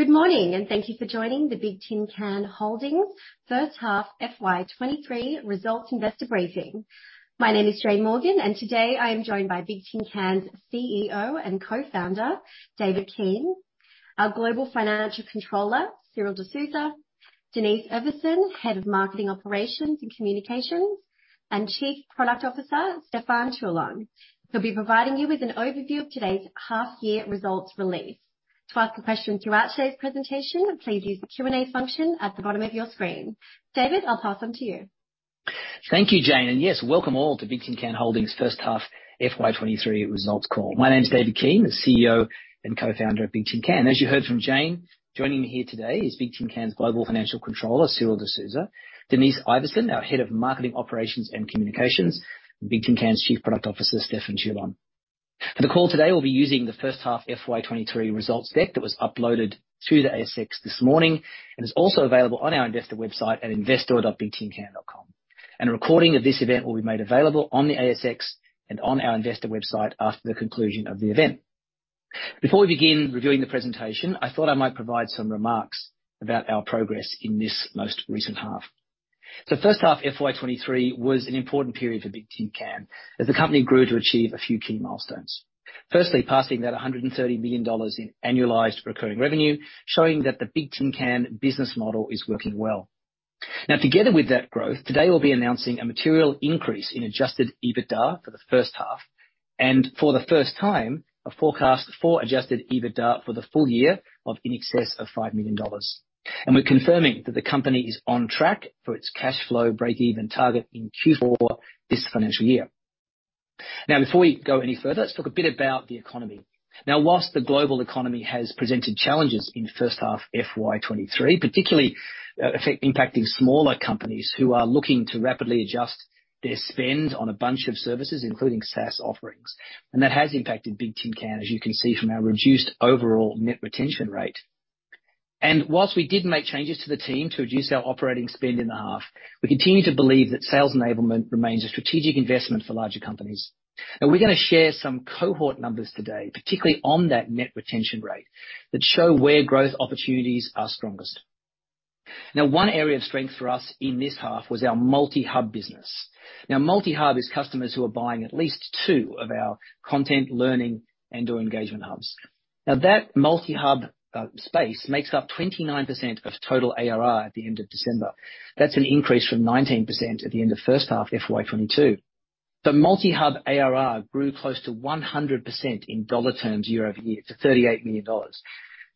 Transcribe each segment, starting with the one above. Good morning, thank you for joining the Bigtincan Holdings first half FY 23 results investor briefing. My name is Jane Morgan, today I am joined by Bigtincan's CEO and Co-founder, David Keane; our Global Financial Controller, Cyril D'Souza; Denise Iverson, Head of Marketing Operations and Communications; and Chief Product Officer, Stefan Teulon, who'll be providing you with an overview of today's half-year results release. To ask a question throughout today's presentation, please use the Q&A function at the bottom of your screen. David, I'll pass on to you. Thank you, Jane. Yes, welcome all to Bigtincan Holdings' first half FY 23 results call. My name is David Keane, the CEO and co-founder of Bigtincan. As you heard from Jane, joining me here today is Bigtincan's Global Financial Controller, Cyril D'Souza, Denise Iverson, our Head of Marketing Operations and Communications, and Bigtincan's Chief Product Officer, Stefan Teulon. For the call today, we'll be using the first half FY 23 results deck that was uploaded to the ASX this morning and is also available on our investor website at investor.bigtincan.com. A recording of this event will be made available on the ASX and on our investor website after the conclusion of the event. Before we begin reviewing the presentation, I thought I might provide some remarks about our progress in this most recent half. First half FY23 was an important period for Bigtincan as the company grew to achieve a few key milestones. Firstly, passing that $130 million in annualized recurring revenue, showing that the Bigtincan business model is working well. Together with that growth, today we'll be announcing a material increase in Adjusted EBITDA for the first half. For the first time, a forecast for Adjusted EBITDA for the full year of in excess of $5 million. We're confirming that the company is on track for its cash flow breakeven target in Q4 this financial year. Before we go any further, let's talk a bit about the economy. Whilst the global economy has presented challenges in the first half of FY23, particularly impacting smaller companies who are looking to rapidly adjust their spend on a bunch of services, including SaaS offerings. That has impacted Bigtincan, as you can see from our reduced overall Net Retention Rate. Whilst we did make changes to the team to reduce our operating spend in the half, we continue to believe that sales enablement remains a strategic investment for larger companies. We're gonna share some cohort numbers today, particularly on that Net Retention Rate, that show where growth opportunities are strongest. One area of strength for us in this half was our multi-Hub business. Multi-Hub is customers who are buying at least 2 of our Content Learning and/or Engagement Hubs. Now, that multi-Hub space makes up 29% of total ARR at the end of December. That's an increase from 19% at the end of first half FY 2022. The multi-Hub ARR grew close to 100% in dollar terms year-over-year to $38 million,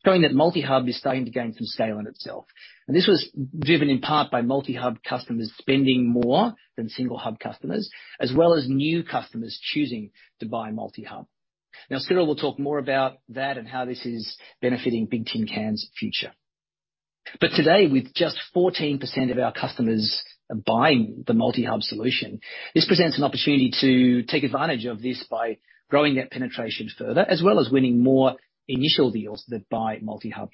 showing that multi-Hub is starting to gain some scale in itself. This was driven in part by multi-Hub customers spending more than single-Hub customers, as well as new customers choosing to buy multi-Hub. Now, Cyril will talk more about that and how this is benefiting Bigtincan's future. Today, with just 14% of our customers buying the multi-Hub solution, this presents an opportunity to take advantage of this by growing that penetration further, as well as winning more initial deals that buy multi-Hub.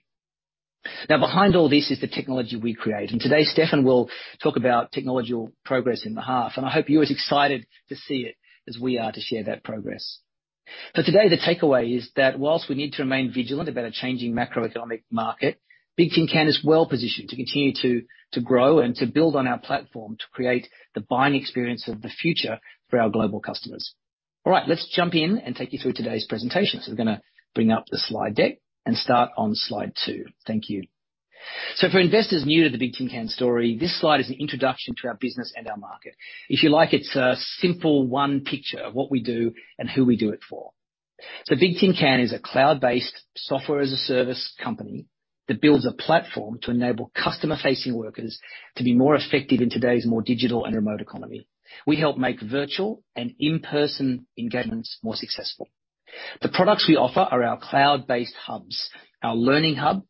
Now, behind all this is the technology we create. Today, Stefan will talk about technological progress in the half, and I hope you're as excited to see it as we are to share that progress. Today, the takeaway is that whilst we need to remain vigilant about a changing macroeconomic market, Bigtincan is well positioned to continue to grow and to build on our platform to create the buying experience of the future for our global customers. All right, let's jump in and take you through today's presentation. We're gonna bring up the slide deck and start on slide 2. Thank you. For investors new to the Bigtincan story, this slide is an introduction to our business and our market. If you like, it's a simple 1 picture of what we do and who we do it for. Bigtincan is a cloud-based software-as-a-service company that builds a platform to enable customer-facing workers to be more effective in today's more digital and remote economy. We help make virtual and in-person engagements more successful. The products we offer are our cloud-based hubs, our Learning Hub,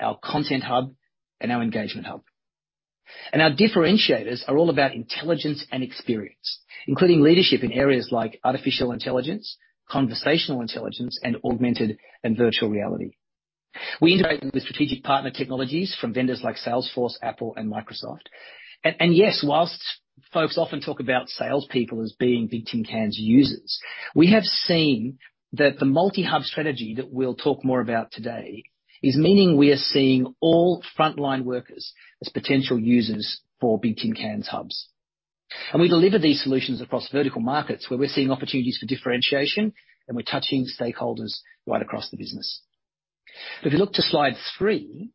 our Content Hub, and our Engagement Hub. Our differentiators are all about intelligence and experience, including leadership in areas like artificial intelligence, conversational intelligence, and augmented and virtual reality. We integrate with strategic partner technologies from vendors like Salesforce, Apple, and Microsoft. Yes, whilst folks often talk about salespeople as being Bigtincan's users, we have seen that the multi-Hub strategy that we'll talk more about today is meaning we are seeing all frontline workers as potential users for Bigtincan's hubs. We deliver these solutions across vertical markets where we're seeing opportunities for differentiation, and we're touching stakeholders right across the business. If you look to slide 3,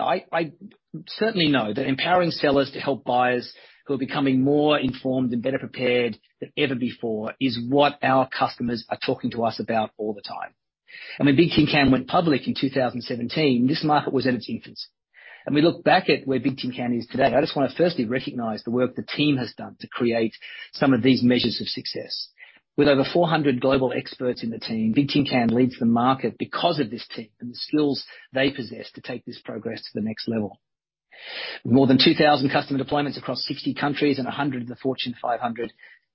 I certainly know that empowering sellers to help buyers who are becoming more informed and better prepared than ever before is what our customers are talking to us about all the time. When Bigtincan went public in 2017, this market was at its infancy. We look back at where Bigtincan is today, I just wanna firstly recognize the work the team has done to create some of these measures of success. With over 400 global experts in the team, Bigtincan leads the market because of this team and the skills they possess to take this progress to the next level. More than 2,000 customer deployments across 60 countries and 100 of the Fortune 500,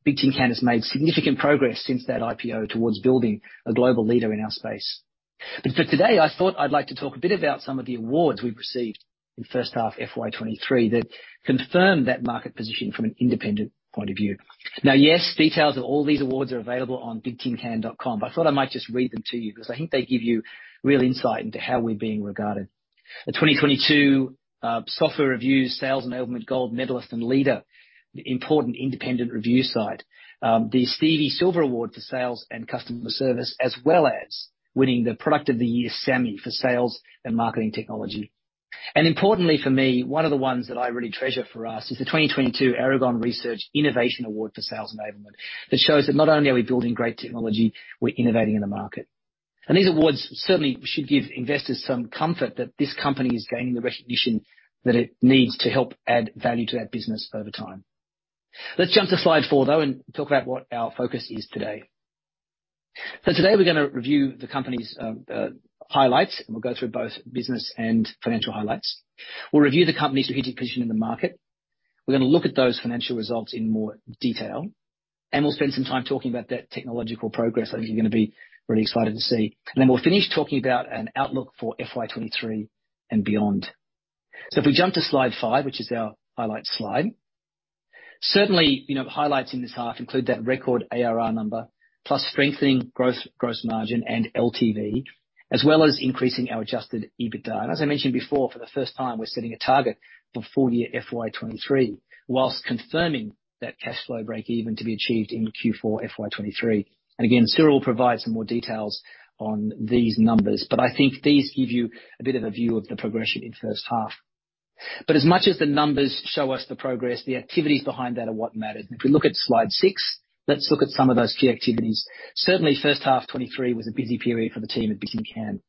Bigtincan has made significant progress since that IPO towards building a global leader in our space. For today, I thought I'd like to talk a bit about some of the awards we've received in first half FY 2023 that confirm that market position from an independent point of view. Yes, details of all these awards are available on bigtincan.com, but I thought I might just read them to you because I think they give you real insight into how we're being regarded. The 2022 SoftwareReviews, sales enablement, gold medalist and leader, important independent review site. The Silver Stevie Award for sales and customer service, as well as winning the Product of the Year SAMMY for sales and marketing technology. Importantly for me, one of the ones that I really treasure for us is the 2022 Aragon Research Innovation Award for Sales Enablement. That shows that not only are we building great technology, we're innovating in the market. These awards certainly should give investors some comfort that this company is gaining the recognition that it needs to help add value to our business over time. Let's jump to slide 4, though, and talk about what our focus is today. Today we're gonna review the company's highlights, and we'll go through both business and financial highlights. We'll review the company's strategic position in the market. We're gonna look at those financial results in more detail, and we'll spend some time talking about that technological progress I think you're gonna be really excited to see. We'll finish talking about an outlook for FY 23 and beyond. If we jump to slide 5, which is our highlights slide. Certainly, you know, the highlights in this half include that record ARR number, plus strengthening growth, gross margin, and LTV, as well as increasing our Adjusted EBITDA. As I mentioned before, for the first time, we're setting a target for full year FY 23, whilst confirming that cash flow breakeven to be achieved in Q4 FY 23. Again, Cyril will provide some more details on these numbers, but I think these give you a bit of a view of the progression in first half. As much as the numbers show us the progress, the activities behind that are what matters. If we look at slide 6, let's look at some of those key activities. Certainly, first half 2023 was a busy period for the team at Bigtincan.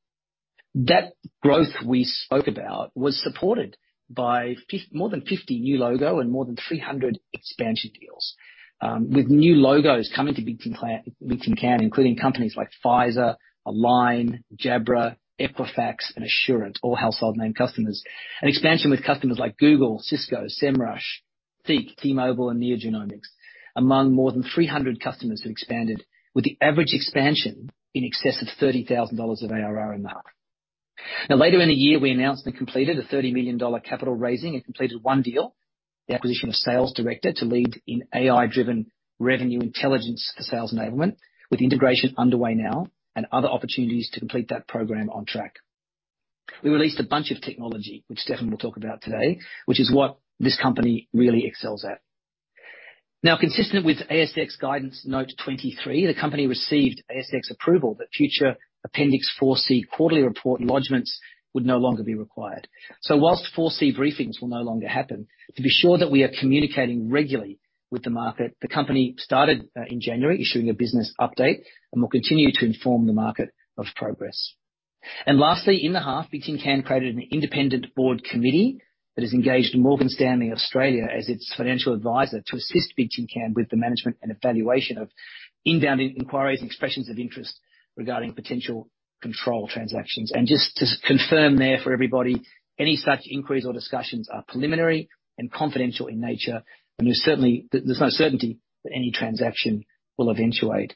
That growth we spoke about was supported by more than 50 new logo and more than 300 expansion deals. With new logos coming to Bigtincan, including companies like Pfizer, Align, Jabra, Equifax, and Assurant, all household name customers. An expansion with customers like Google, Cisco, Semrush, Fike, T-Mobile, and NeoGenomics, among more than 300 customers who expanded with the average expansion in excess of $30,000 of ARR in that. Later in the year, we announced and completed a $30 million capital raising and completed 1 deal, the acquisition of SalesDirector.ai to lead in AI-driven revenue intelligence for sales enablement, with integration underway now and other opportunities to complete that program on track. We released a bunch of technology, which Stefan will talk about today, which is what this company really excels at. Consistent with ASX Guidance Note 23, the company received ASX approval that future Appendix 4C quarterly report lodgments would no longer be required. Whilst 4C briefings will no longer happen, to be sure that we are communicating regularly with the market, the company started in January issuing a business update and will continue to inform the market of progress. Lastly, in the half, Bigtincan created an independent board committee that has engaged Morgan Stanley Australia as its financial advisor to assist Bigtincan with the management and evaluation of inbound inquiries and expressions of interest regarding potential control transactions. Just to confirm there for everybody, any such inquiries or discussions are preliminary and confidential in nature. I mean, certainly, there's no certainty that any transaction will eventuate.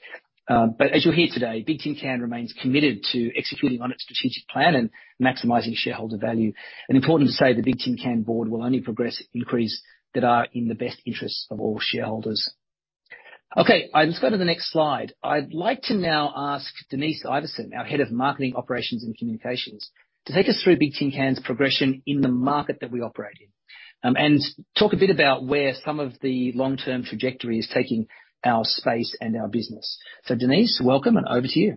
As you'll hear today, Bigtincan remains committed to executing on its strategic plan and maximizing shareholder value. Important to say, the Bigtincan board will only progress inquiries that are in the best interests of all shareholders. Okay, I'll just go to the next slide. I'd like to now ask Denise Iversen, our head of marketing, operations, and communications, to take us through Bigtincan's progression in the market that we operate in. Talk a bit about where some of the long-term trajectory is taking our space and our business. Denise, welcome and over to you.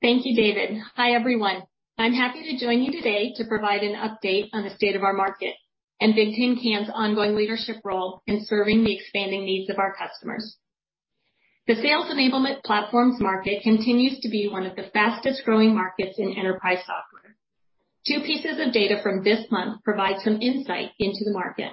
Thank you, David. Hi, everyone. I'm happy to join you today to provide an update on the state of our market and Bigtincan's ongoing leadership role in serving the expanding needs of our customers. The sales enablement platforms market continues to be one of the fastest-growing markets in enterprise software. Two pieces of data from this month provide some insight into the market.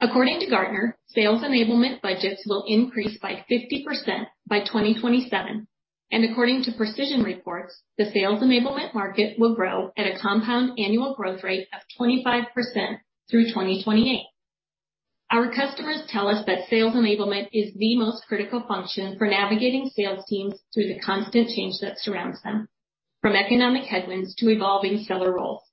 According to Gartner, sales enablement budgets will increase by 50% by 2027. According to Precision Reports, the sales enablement market will grow at a compound annual growth rate of 25% through 2028. Our customers tell us that sales enablement is the most critical function for navigating sales teams through the constant change that surrounds them, from economic headwinds to evolving seller roles.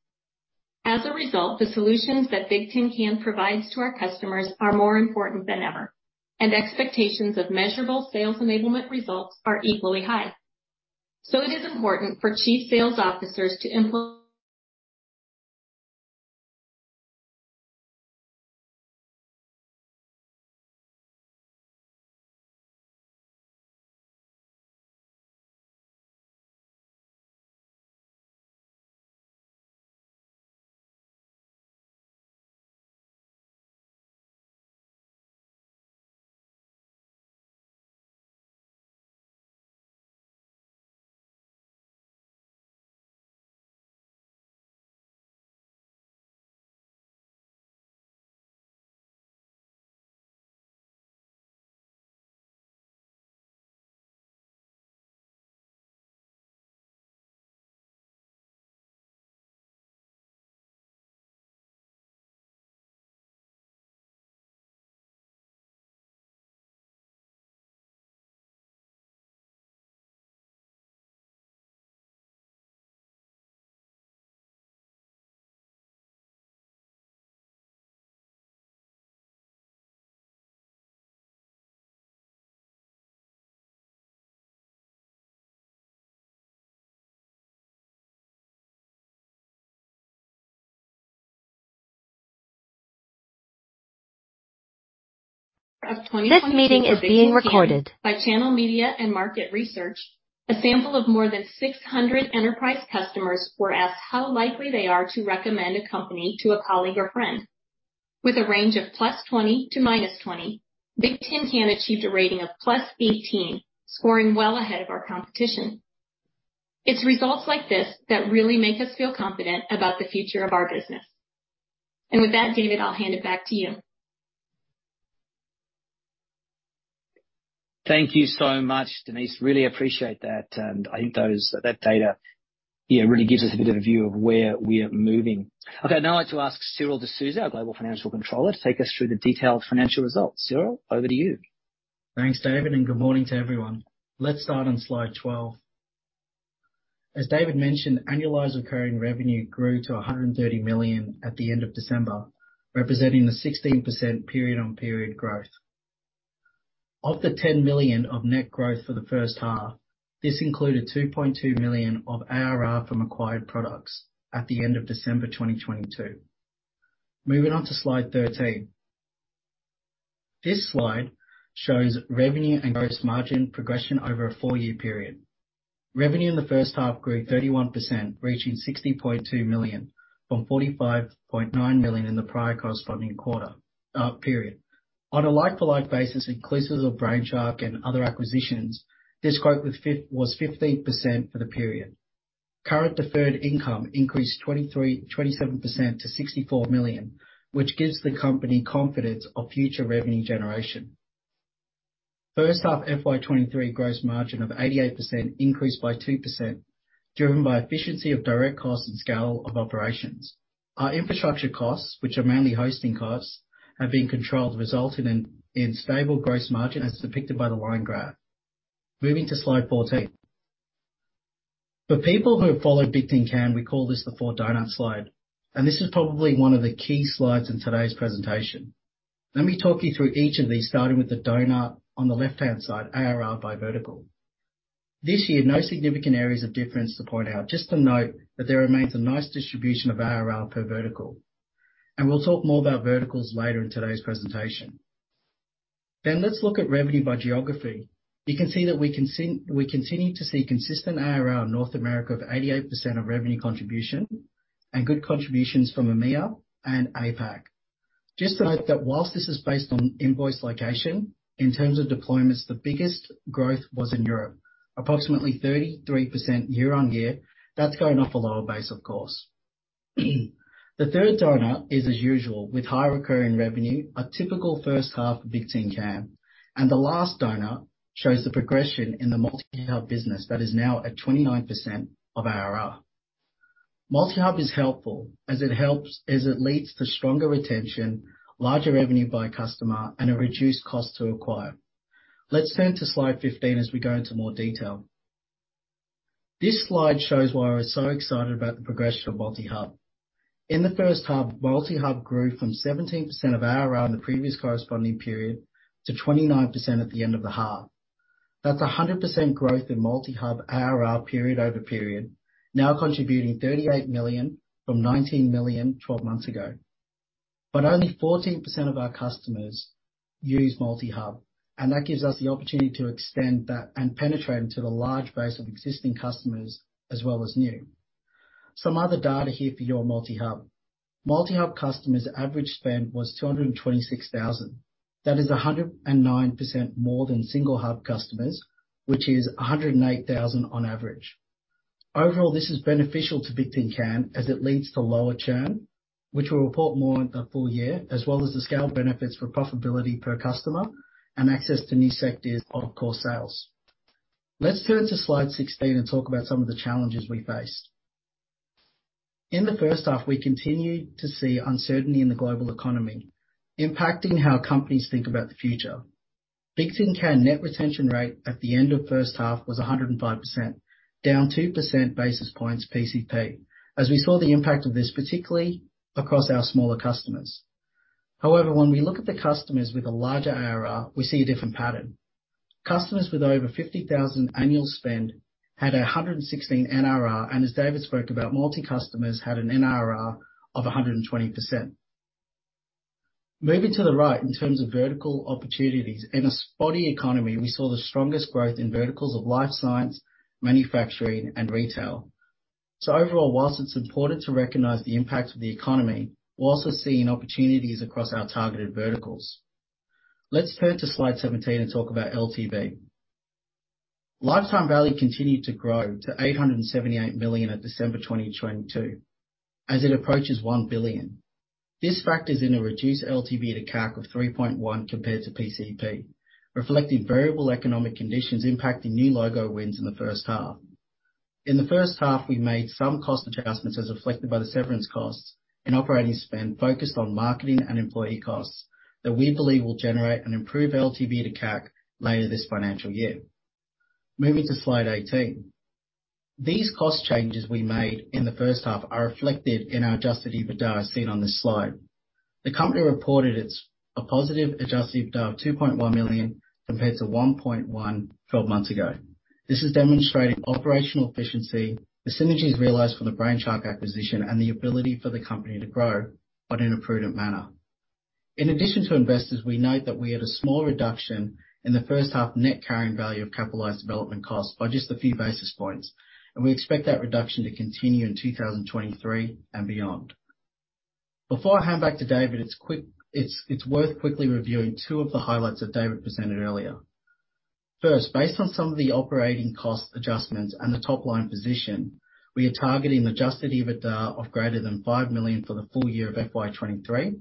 As a result, the solutions that Bigtincan provides to our customers are more important than ever, and expectations of measurable sales enablement results are equally high. It is important for chief sales officers to... This meeting is being recorded. By Channel Media and Market Research, a sample of more than 600 enterprise customers were asked how likely they are to recommend a company to a colleague or friend. With a range of +20 to -20, Bigtincan achieved a rating of +18, scoring well ahead of our competition. It's results like this that really make us feel confident about the future of our business. With that, David, I'll hand it back to you. Thank you so much, Denise. Really appreciate that. I think that data, yeah, really gives us a bit of a view of where we are moving. Okay, now I'd to ask Cyril D'Souza, our Global Financial Controller, to take us through the detailed financial results. Cyril, over to you. Thanks, David. Good morning to everyone. Let's start on slide 12. As David mentioned, Annualized Recurring Revenue grew to $130 million at the end of December, representing 16% period on period growth. Of the $10 million of net growth for the first half, this included $2.2 million of ARR from acquired products at the end of December 2022. Moving on to slide 13. This slide shows revenue and gross margin progression over a four-year period. Revenue in the first half grew 31%, reaching $60.2 million from $45.9 million in the prior corresponding quarter period. On a like-for-like basis, inclusive of Brainshark and other acquisitions, this growth was 15% for the period. Current deferred income increased 27% to $64 million, which gives the company confidence of future revenue generation. First half FY23 gross margin of 88% increased by 2%, driven by efficiency of direct costs and scale of operations. Our infrastructure costs, which are mainly hosting costs, have been controlled, resulting in stable gross margin as depicted by the line graph. Moving to slide 14. For people who have followed Bigtincan, we call this the four donut slide. This is probably one of the key slides in today's presentation. Let me talk you through each of these, starting with the donut on the left-hand side, ARR by vertical. This year, no significant areas of difference to point out, just to note that there remains a nice distribution of ARR per vertical. We'll talk more about verticals later in today's presentation. Let's look at revenue by geography. You can see that we continue to see consistent ARR in North America of 88% of revenue contribution and good contributions from EMEA and APAC. Just to note that whilst this is based on invoice location, in terms of deployments, the biggest growth was in Europe, approximately 33% year-on-year. That's going off a lower base, of course. The third donut is as usual, with high recurring revenue, a typical first half of Bigtincan. The last donut shows the progression in the multi-Hub business that is now at 29% of ARR. Multi-Hub is helpful as it leads to stronger retention, larger revenue by customer, and a reduced cost to acquire. Let's turn to slide 15 as we go into more detail. This slide shows why we're so excited about the progression of multi-Hub. In the first half, multi-Hub grew from 17% of ARR in the previous corresponding period to 29% at the end of the half. That's 100% growth in multi-Hub ARR period-over-period, now contributing $38 million from $19 million 12 months ago. Only 14% of our customers use multi-Hub, and that gives us the opportunity to extend that and penetrate into the large base of existing customers as well as new. Some other data here for your multi-Hub. multi-Hub customers' average spend was $226,000. That is 109% more than single hub customers, which is $108,000 on average. Overall, this is beneficial to Bigtincan as it leads to lower churn, which we'll report more in the full year, as well as the scale benefits for profitability per customer and access to new sectors of core sales. Let's turn to slide 16 and talk about some of the challenges we faced. In the first half, we continued to see uncertainty in the global economy impacting how companies think about the future. Bigtincan Net Retention Rate at the end of first half was 105%, down 2% basis points PCP, as we saw the impact of this, particularly across our smaller customers. However, when we look at the customers with a larger ARR, we see a different pattern. Customers with over $50,000 annual spend had 116% NRR, as David spoke about, multi customers had an NRR of 120%. Moving to the right in terms of vertical opportunities. In a spotty economy, we saw the strongest growth in verticals of life science, manufacturing, and retail. Overall, whilst it's important to recognize the impact of the economy, we're also seeing opportunities across our targeted verticals. Let's turn to slide 17 and talk about LTV. Lifetime value continued to grow to $878 million at December 2022 as it approaches $1 billion. This factors in a reduced LTV to CAC of 3.1 compared to PCP, reflecting variable economic conditions impacting new logo wins in the first half. In the first half, we made some cost adjustments as reflected by the severance costs and operating spend focused on marketing and employee costs that we believe will generate an improved LTV to CAC later this financial year. Moving to slide 18. These cost changes we made in the first half are reflected in our Adjusted EBITDA as seen on this slide. The company reported a positive Adjusted EBITDA of $2.1 million compared to $1.1 million 12 months ago. This is demonstrating operational efficiency, the synergies realized from the Brainshark acquisition, and the ability for the company to grow, but in a prudent manner. In addition to investors, we note that we had a small reduction in the first half net carrying value of capitalized development costs by just a few basis points. We expect that reduction to continue in 2023 and beyond. Before I hand back to David, it's worth quickly reviewing two of the highlights that David presented earlier. First, based on some of the operating cost adjustments and the top-line position, we are targeting Adjusted EBITDA of greater than $5 million for the full year of FY23,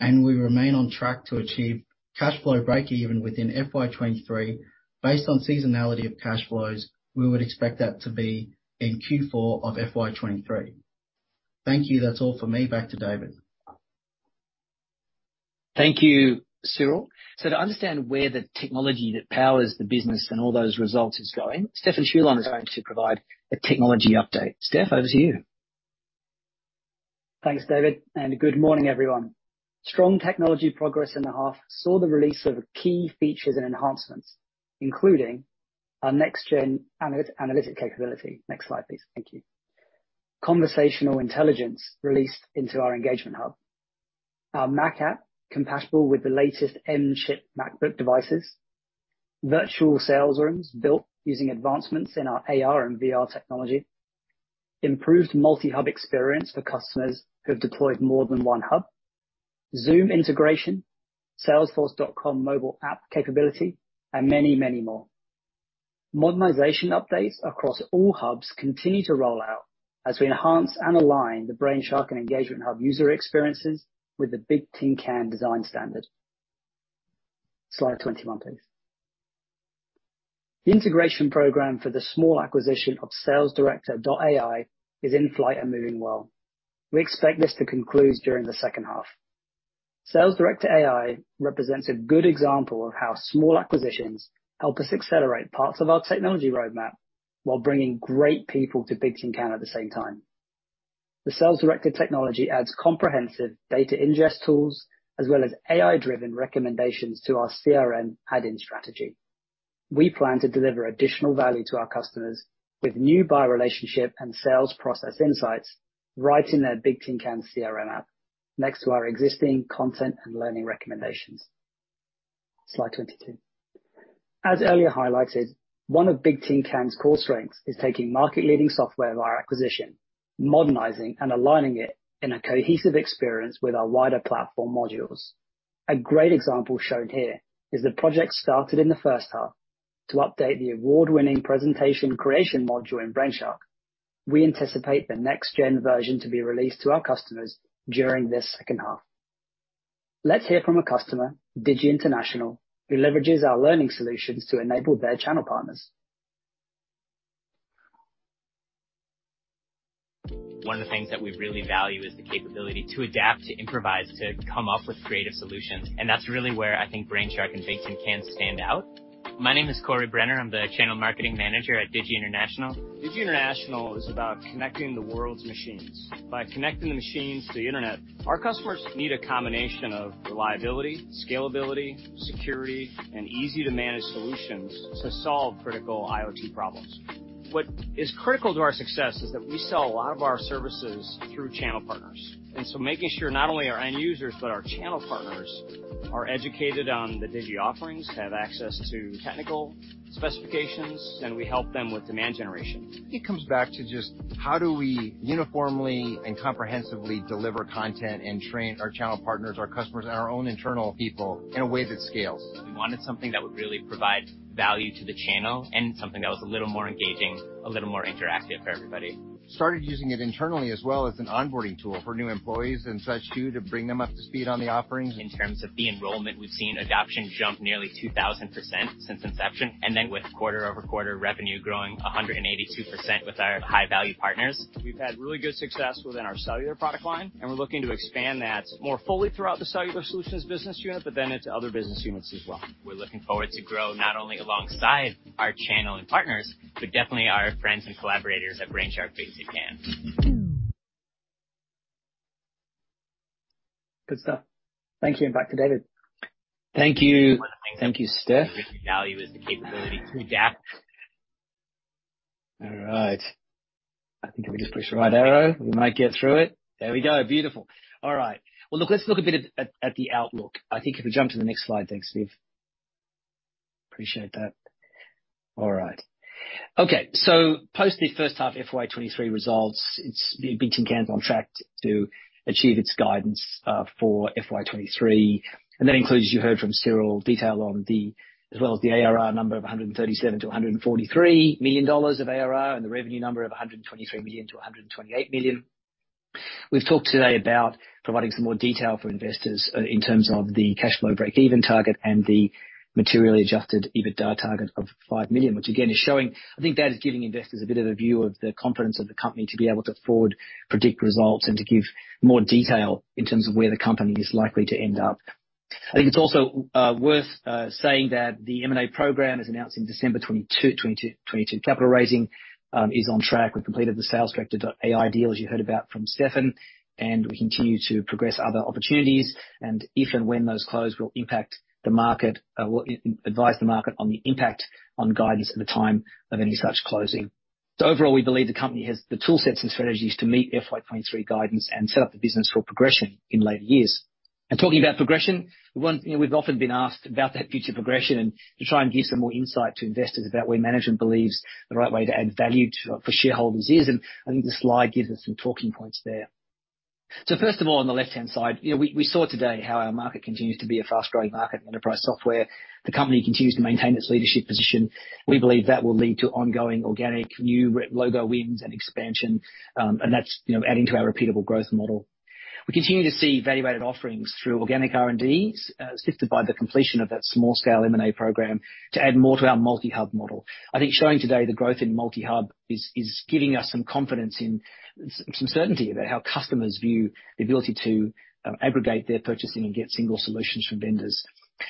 and we remain on track to achieve cash flow break-even within FY23. Based on seasonality of cash flows, we would expect that to be in Q4 of FY23. Thank you. That's all for me. Back to David. Thank you, Cyril. To understand where the technology that powers the business and all those results is going, Stefan Teulon is going to provide a technology update. Stefan, over to you. Thanks, David, and good morning, everyone. Strong technology progress in the half saw the release of key features and enhancements, including our next-gen analytic capability. Next slide, please. Thank you. Conversational intelligence released into our Engagement Hub. Our Mac app compatible with the latest M chip MacBook devices. Virtual Sales Rooms built using advancements in our AR and VR technology. Improved multi-Hub experience for customers who have deployed more than one hub. Zoom integration, salesforce.com mobile app capability and many, many more. Modernization updates across all hubs continue to roll out as we enhance and align the Brainshark and Engagement Hub user experiences with the Bigtincan design standard. Slide 21, please. The integration program for the small acquisition of SalesDirector.ai is in flight and moving well. We expect this to conclude during the second half. SalesDirector.ai represents a good example of how small acquisitions help us accelerate parts of our technology roadmap while bringing great people to Bigtincan at the same time. The SalesDirector technology adds comprehensive data ingest tools as well as AI-driven recommendations to our CRM add-in strategy. We plan to deliver additional value to our customers with new buyer relationship and sales process insights right in their Bigtincan CRM app next to our existing content and learning recommendations. Slide 22. As earlier highlighted, one of Bigtincan's core strengths is taking market-leading software via acquisition, modernizing and aligning it in a cohesive experience with our wider platform modules. A great example shown here is the project started in the first half to update the award-winning presentation creation module in Brainshark. We anticipate the next gen version to be released to our customers during this second half. Let's hear from a customer, Digi International, who leverages our learning solutions to enable their channel partners. One of the things that we really value is the capability to adapt, to improvise, to come up with creative solutions. That's really where I think Brainshark and Bigtincan stand out. My name is Cory Brenner. I'm the channel marketing manager at Digi International. Digi International is about connecting the world's machines. By connecting the machines to the Internet, our customers need a combination of reliability, scalability, security, and easy-to-manage solutions to solve critical IoT problems. What is critical to our success is that we sell a lot of our services through channel partners. Making sure not only our end users, but our channel partners are educated on the Digi offerings, have access to technical specifications, and we help them with demand generation. It comes back to just how do we uniformly and comprehensively deliver content and train our channel partners, our customers, and our own internal people in a way that scales. We wanted something that would really provide value to the channel and something that was a little more engaging, a little more interactive for everybody. Started using it internally as well as an onboarding tool for new employees and such too, to bring them up to speed on the offerings. In terms of the enrollment, we've seen adoption jump nearly 2,000% since inception. With quarter-over-quarter revenue growing 182% with our high-value partners. We've had really good success within our cellular product line, and we're looking to expand that more fully throughout the cellular solutions business unit, but then into other business units as well. We're looking forward to grow not only alongside our channel and partners, but definitely our friends and collaborators at Brainshark Bigtincan. Good stuff. Thank you. Back to David. Thank you. Thank you, Stefan. One of the things that we really value is the capability to adapt. All right. I think if we just push the right arrow, we might get through it. There we go. Beautiful. All right. Well, look, let's look a bit at the outlook. I think if we jump to the next slide. Thanks, Steve. Appreciate that. All right. Okay, post the first half FY23 results, Bigtincan's on track to achieve its guidance for FY23. That includes, you heard from Cyril, detail on the, as well as the ARR number of $137 million-$143 million of ARR and the revenue number of $123 million-$128 million. We've talked today about providing some more detail for investors in terms of the cash flow breakeven target and the materially Adjusted EBITDA target of $5 million, which again I think that is giving investors a bit of a view of the confidence of the company to be able to forward, predict results and to give more detail in terms of where the company is likely to end up. I think it's also worth saying that the M&A program as announced in December 2022 capital raising is on track. We've completed the SalesDirector.ai deal, as you heard about from Stefan, we continue to progress other opportunities. If and when those close, we'll impact the market, we'll advise the market on the impact on guidance at the time of any such closing. Overall, we believe the company has the toolsets and strategies to meet FY 23 guidance and set up the business for progression in later years. Talking about progression, one, you know, we've often been asked about that future progression and to try and give some more insight to investors about where management believes the right way to add value to, for shareholders is. I think this slide gives us some talking points there. First of all, on the left-hand side, you know, we saw today how our market continues to be a fast-growing market in enterprise software. The company continues to maintain its leadership position. We believe that will lead to ongoing organic new logo wins and expansion. That's, you know, adding to our repeatable growth model. We continue to see value-added offerings through organic R&Ds, assisted by the completion of that small scale M&A program to add more to our multi-Hub model. I think showing today the growth in multi-Hub is giving us some confidence in some certainty about how customers view the ability to aggregate their purchasing and get single solutions from vendors.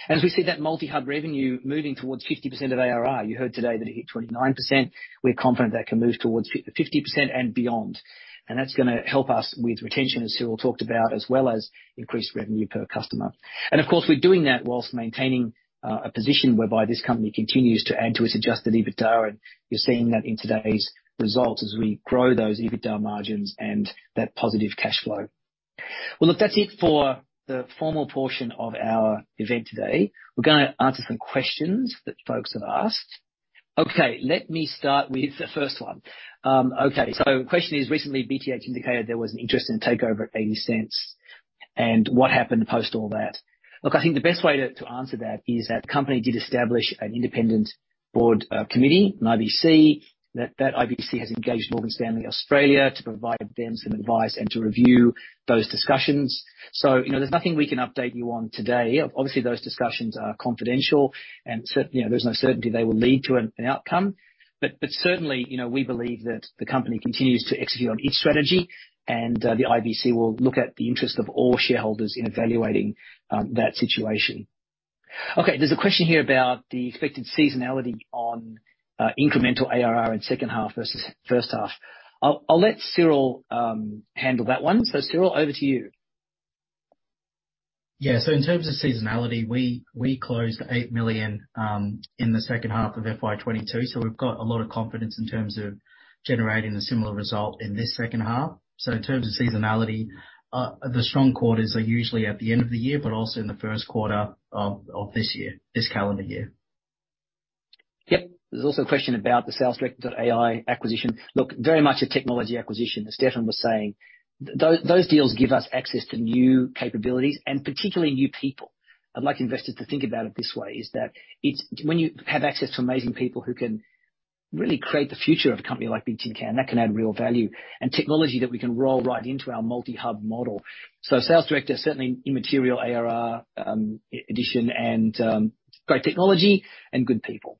As we see that multi-Hub revenue moving towards 50% of ARR, you heard today that it hit 29%. We're confident that can move towards 50% and beyond. That's gonna help us with retention, as Cyril talked about, as well as increased revenue per customer. Of course, we're doing that whilst maintaining a position whereby this company continues to add to its Adjusted EBITDA. You're seeing that in today's results as we grow those EBITDA margins and that positive cash flow. Well, look, that's it for the formal portion of our event today. We're gonna answer some questions that folks have asked. Okay, let me start with the first one. Okay, the question is, recently BTH indicated there was an interest in takeover at 0.80, and what happened post all that? Look, I think the best way to answer that is that the company did establish an independent board committee, an IBC. That IBC has engaged Morgan Stanley Australia to provide them some advice and to review those discussions. You know, there's nothing we can update you on today. Obviously, those discussions are confidential and you know, there's no certainty they will lead to an outcome. Certainly, you know, we believe that the company continues to execute on each strategy, and the IBC will look at the interest of all shareholders in evaluating that situation. There's a question here about the expected seasonality on incremental ARR in second half versus first half. I'll let Cyril handle that one. Cyril, over to you. Yeah. In terms of seasonality, we closed $8 million in the second half of FY22, we've got a lot of confidence in terms of generating a similar result in this second half. In terms of seasonality, the strong quarters are usually at the end of the year, but also in the first quarter of this year, this calendar year. Yep. There's also a question about the SalesDirector.ai acquisition. Look, very much a technology acquisition, as Stefan was saying. Those deals give us access to new capabilities and particularly new people. I'd like investors to think about it this way, is that it's when you have access to amazing people who can really create the future of a company like Bigtincan, that can add real value and technology that we can roll right into our multi-Hub model. SalesDirector, certainly immaterial ARR addition and great technology and good people.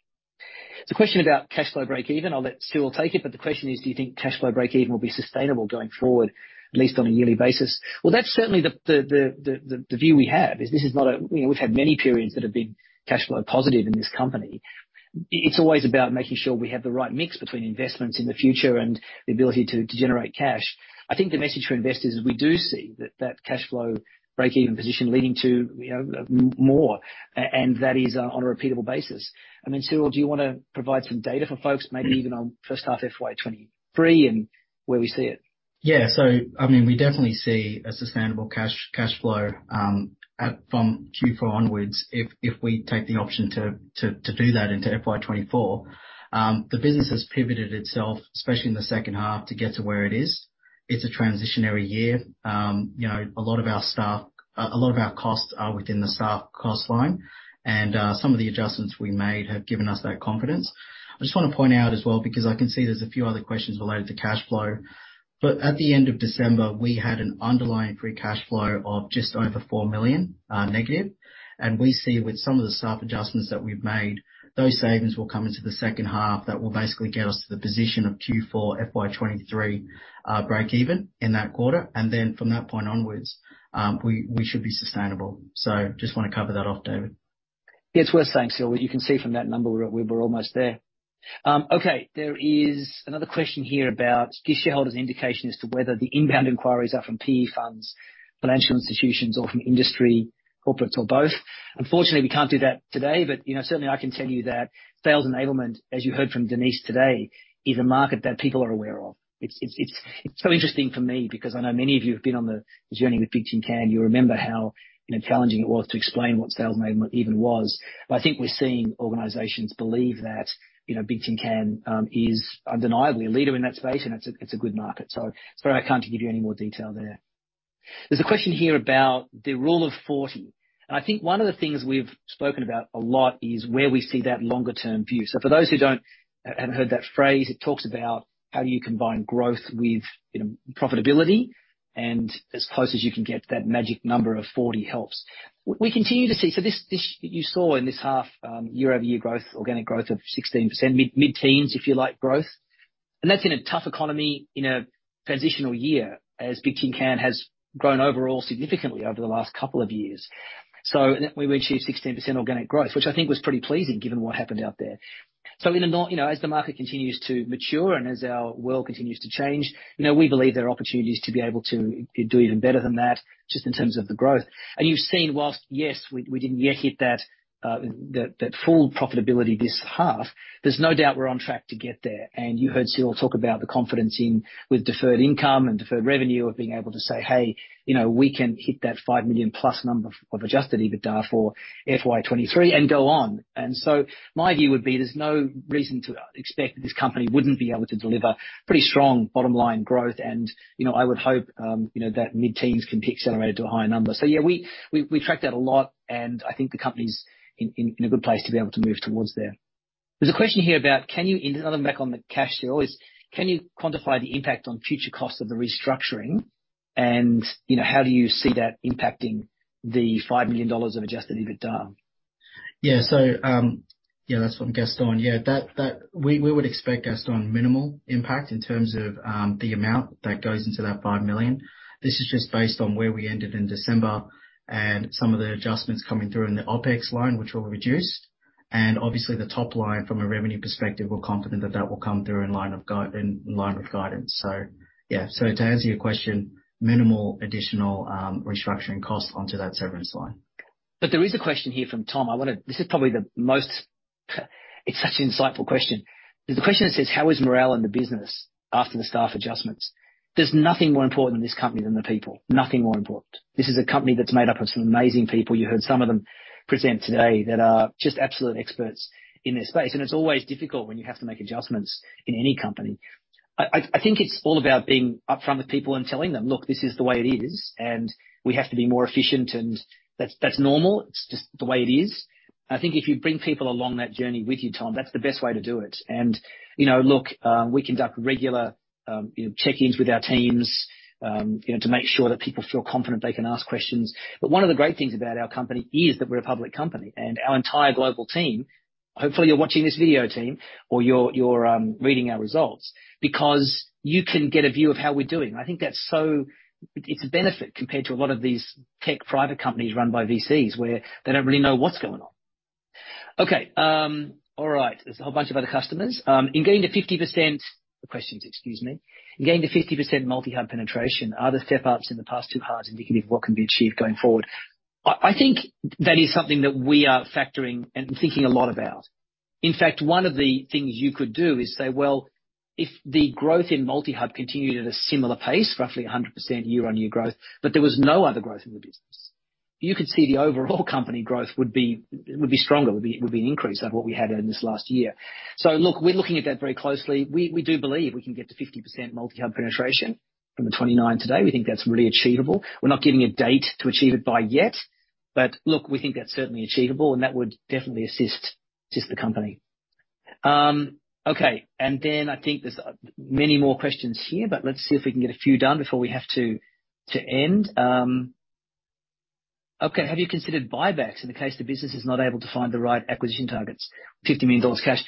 There's a question about cash flow breakeven. I'll let Cyril take it. The question is, do you think cash flow breakeven will be sustainable going forward, at least on a yearly basis? Well, that's certainly the view we have, is this is not a, you know, we've had many periods that have been cash flow positive in this company. It's always about making sure we have the right mix between investments in the future and the ability to generate cash. I think the message for investors is we do see that that cash flow breakeven position leading to, you know, more, and that is on a repeatable basis. I mean, Cyril, do you wanna provide some data for folks, maybe even on first half FY23 and where we see it? I mean, we definitely see a sustainable cash flow from Q4 onwards if we take the option to do that into FY 2024. The business has pivoted itself, especially in the second half, to get to where it is. It's a transitionary year. You know, a lot of our staff, a lot of our costs are within the staff cost line, and some of the adjustments we made have given us that confidence. I just wanna point out as well, because I can see there's a few other questions related to cash flow, but at the end of December, we had an underlying free cash flow of just over 4 million negative. We see with some of the staff adjustments that we've made, those savings will come into the second half. That will basically get us to the position of Q4 FY 2023, breakeven in that quarter. From that point onwards, we should be sustainable. Just wanna cover that off, David. Yeah. It's worth saying, Cyril, you can see from that number we're almost there. Okay. There is another question here about, give shareholders indication as to whether the inbound inquiries are from PE funds, financial institutions or from industry corporates or both. Unfortunately, we can't do that today. You know, certainly I can tell you that sales enablement, as you heard from Denise today, is a market that people are aware of. It's so interesting for me because I know many of you have been on the journey with Bigtincan. You remember how, you know, challenging it was to explain what sales enablement even was. I think we're seeing organizations believe that, you know, Bigtincan is undeniably a leader in that space and it's a good market. Sorry I can't give you any more detail there. There's a question here about the Rule of 40. I think one of the things we've spoken about a lot is where we see that longer-term view. For those who haven't heard that phrase, it talks about how you combine growth with, you know, profitability, and as close as you can get that magic number of 40 helps. We continue to see... this, you saw in this half, year-over-year growth, organic growth of 16%, mid-teens, if you like, growth. That's in a tough economy in a transitional year as Bigtincan has grown overall significantly over the last couple of years. We've achieved 16% organic growth, which I think was pretty pleasing given what happened out there. You know, as the market continues to mature and as our world continues to change, you know, we believe there are opportunities to be able to do even better than that just in terms of the growth. You've seen whilst, yes, we didn't yet hit that full profitability this half, there's no doubt we're on track to get there. You heard Cyril talk about the confidence with deferred income and deferred revenue of being able to say, "Hey, you know, we can hit that $5 million-plus number of Adjusted EBITDA for FY 2023 and go on." My view would be there's no reason to expect that this company wouldn't be able to deliver pretty strong bottom-line growth. You know, I would hope, you know, that mid-teens can be accelerated to a higher number. Yeah, we tracked that a lot. I think the company's in a good place to be able to move towards there. There's a question here about can you. Another back on the cash flow is, can you quantify the impact on future cost of the restructuring? You know, how do you see that impacting the $5 million of Adjusted EBITDA? Yeah. Yeah, that's from Gaston. Yeah. We would expect, Gaston, minimal impact in terms of the amount that goes into that 5 million. This is just based on where we ended in December and some of the adjustments coming through in the OpEx line, which will reduce. Obviously the top line from a revenue perspective, we're confident that that will come through in line with guidance. To answer your question, minimal additional restructuring cost onto that severance line. There is a question here from Tom. It's such an insightful question. There's a question that says, how is morale in the business after the staff adjustments? There's nothing more important in this company than the people. Nothing more important. This is a company that's made up of some amazing people, you heard some of them present today, that are just absolute experts in their space. It's always difficult when you have to make adjustments in any company. I think it's all about being upfront with people and telling them, "Look, this is the way it is, and we have to be more efficient, and that's normal. It's just the way it is." I think if you bring people along that journey with you, Tom, that's the best way to do it. Look, we conduct regular check-ins with our teams to make sure that people feel confident they can ask questions. One of the great things about our company is that we're a public company. Our entire global team, hopefully you're watching this video, team, or you're reading our results, because you can get a view of how we're doing. I think that's It's a benefit compared to a lot of these tech private companies run by VCs, where they don't really know what's going on. Okay. All right. There's a whole bunch of other customers. In getting to 50%. In getting to 50% multi-Hub penetration, are the step-ups in the past too hard indicative of what can be achieved going forward? I think that is something that we are factoring and thinking a lot about. In fact, one of the things you could do is say, well, if the growth in multi-Hub continued at a similar pace, roughly 100% year-on-year growth, but there was no other growth in the business, you could see the overall company growth would be stronger, would be an increase over what we had in this last year. Look, we're looking at that very closely. We do believe we can get to 50% multi-Hub penetration from the 29 today. We think that's really achievable. We're not giving a date to achieve it by yet. Look, we think that's certainly achievable, and that would definitely assist the company. Okay. I think there's many more questions here, but let's see if we can get a few done before we have to end. Okay. Have you considered buybacks in the case the business is not able to find the right acquisition targets? $50 million cash.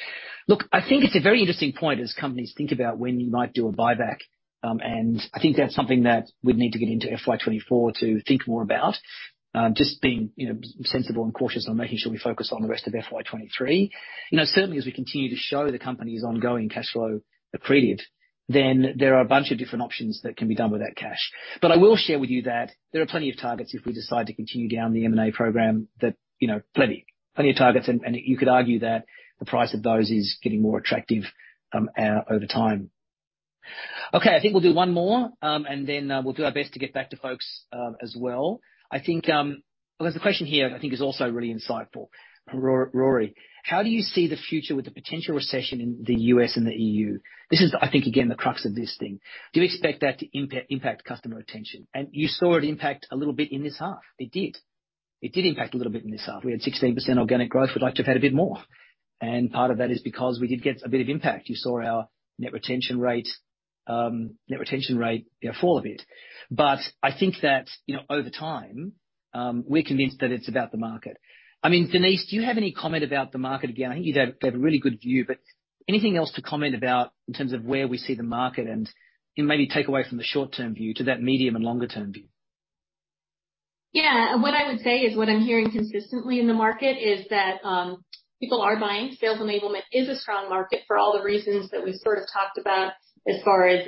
Look, I think it's a very interesting point as companies think about when you might do a buyback. I think that's something that we'd need to get into FY 2024 to think more about. Just being, you know, sensible and cautious on making sure we focus on the rest of FY 2023. You know, certainly as we continue to show the company's ongoing cash flow accreted, then there are a bunch of different options that can be done with that cash. I will share with you that there are plenty of targets if we decide to continue down the M&A program that, you know, plenty of targets, and you could argue that the price of those is getting more attractive over time. Okay. I think we'll do one more, and then we'll do our best to get back to folks as well. I think. Well, there's a question here that I think is also really insightful. Rory: How do you see the future with the potential recession in the US and the EU? This is, I think, again, the crux of this thing. Do you expect that to impact customer retention? You saw it impact a little bit in this half. It did. It did impact a little bit in this half. We had 16% organic growth. We'd like to have had a bit more. Part of that is because we did get a bit of impact. You saw our Net Retention Rate, you know, fall a bit. I think that, you know, over time, we're convinced that it's about the market. I mean, Denise, do you have any comment about the market? Again, I think you've had a really good view. Anything else to comment about in terms of where we see the market and maybe take away from the short-term view to that medium and longer-term view? Yeah. What I would say is, what I'm hearing consistently in the market is that, people are buying. Sales enablement is a strong market for all the reasons that we've sort of talked about as far as,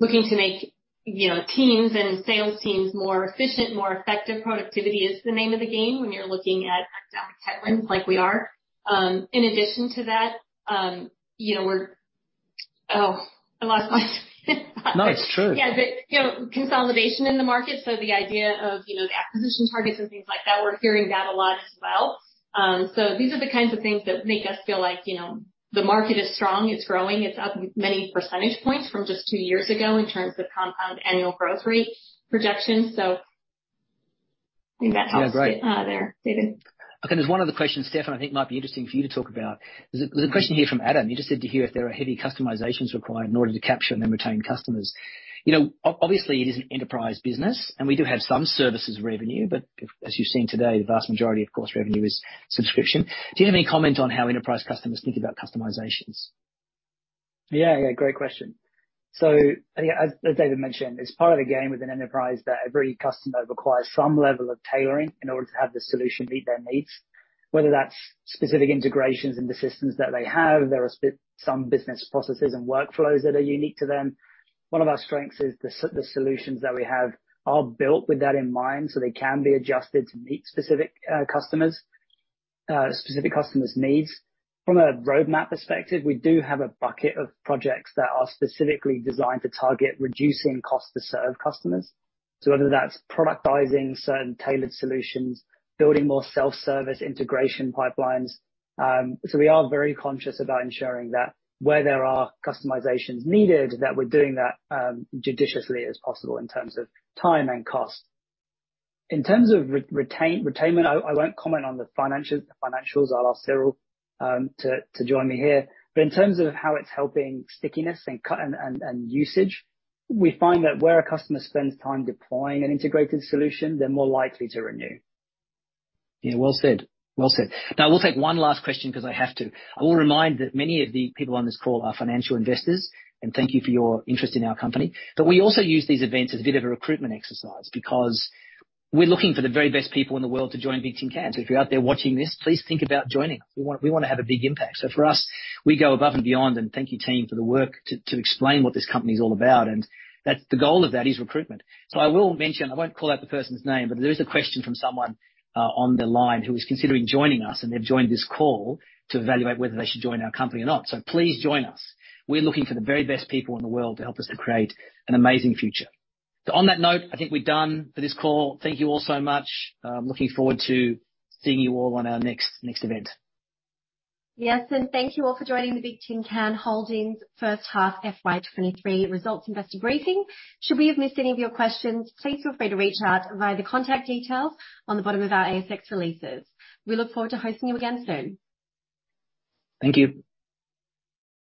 looking to make, you know, teams and sales teams more efficient, more effective. Productivity is the name of the game when you're looking at economic headwinds like we are. In addition to that, you know. Oh, I lost my No, it's true. Yeah. The, you know, consolidation in the market, so the idea of, you know, the acquisition targets and things like that, we're hearing that a lot as well. These are the kinds of things that make us feel like, you know, the market is strong, it's growing, it's up many percentage points from just 2 years ago in terms of compound annual growth rate projections. I think that helps. Oh, great.... there, David. Okay. There's one other question, Stefan, I think might be interesting for you to talk about. There's a question here from Adam. He just said to you if there are heavy customizations required in order to capture and then retain customers. You know, obviously it is an enterprise business, and we do have some services revenue, but as you've seen today, the vast majority, of course, revenue is subscription. Do you have any comment on how enterprise customers think about customizations? Yeah. Yeah. Great question. I think as David mentioned, it's part of the game with an enterprise that every customer requires some level of tailoring in order to have the solution meet their needs, whether that's specific integrations into systems that they have. There are some business processes and workflows that are unique to them. One of our strengths is the solutions that we have are built with that in mind, so they can be adjusted to meet specific customers' needs. From a roadmap perspective, we do have a bucket of projects that are specifically designed to target reducing cost to serve customers. whether that's productizing certain tailored solutions, building more self-service integration pipelines. We are very conscious about ensuring that where there are customizations needed, that we're doing that judiciously as possible in terms of time and cost. In terms of retainment, I won't comment on the financials. I'll ask Cyril to join me here. In terms of how it's helping stickiness and cut and usage, we find that where a customer spends time deploying an integrated solution, they're more likely to renew. Yeah. Well said. Well said. We'll take one last question because I have to. I will remind that many of the people on this call are financial investors, and thank you for your interest in our company. We also use these events as a bit of a recruitment exercise because we're looking for the very best people in the world to join Bigtincan. If you're out there watching this, please think about joining us. We wanna have a big impact. For us, we go above and beyond, and thank you team for the work to explain what this company's all about, and that's the goal of that is recruitment. I will mention, I won't call out the person's name, there is a question from someone on the line who is considering joining us and they've joined this call to evaluate whether they should join our company or not. Please join us. We're looking for the very best people in the world to help us to create an amazing future. On that note, I think we're done for this call. Thank you all so much. Looking forward to seeing you all on our next event. Yes, thank you all for joining the Bigtincan Holdings first half FY 23 results investor briefing. Should we have missed any of your questions, please feel free to reach out via the contact details on the bottom of our ASX releases. We look forward to hosting you again soon. Thank you.